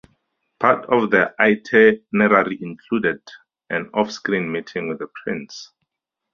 Part of their itinerary included an off-screen meeting with the prince.